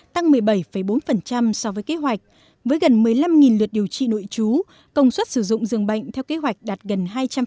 tăng một mươi bảy bốn so với kế hoạch với gần một mươi năm lượt điều trị nội chú công suất sử dụng dường bệnh theo kế hoạch đạt gần hai trăm linh